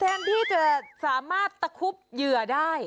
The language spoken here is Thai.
แทนที่จะสามารถตะคุบเหยื่อได้